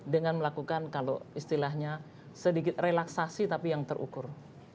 dengan melakukan kalau istilahnya sedikit relaksasi tapi yang terukur